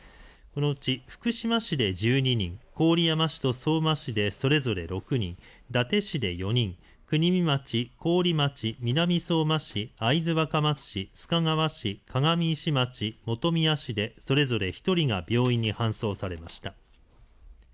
このうち福島市で１２人、郡山市と相馬市でそれぞれ６人、伊達市で４人、国見町、桑折町、南相馬市、会津若松市、須賀川市、鏡石町、本宮市でそれぞれ１人が病院に搬送されました。